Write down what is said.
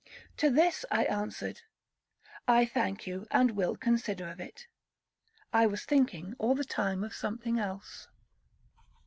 To this I answered, 'I thank you, and will consider of it.'—I was thinking all the time of something else.